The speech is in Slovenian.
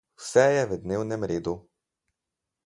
Vse je v dnevnem redu.